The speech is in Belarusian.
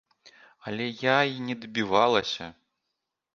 Але я й не дабівалася!